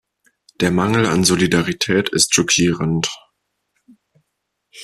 Der Mangel an Solidarität ist schockierend.